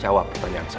jawab pertanyaan saya